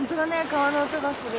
川の音がする。